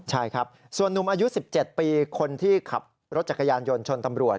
ใช่ครับส่วนนุ่มอายุ๑๗ปีคนที่ขับรถจักรยานยนต์ชนตำรวจ